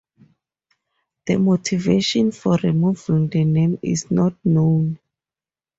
The motivation for removing the names is not known.